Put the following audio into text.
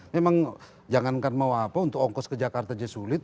memang jangankan mau apa untuk ongkos ke jakarta aja sulit